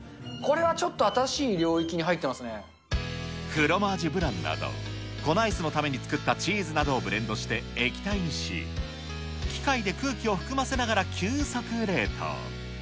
これはちょっと新しい領域に入っフロマージュブランなど、このアイスのために作ったチーズなどをブレンドして液体にし、機械で空気を含ませながら急速冷凍。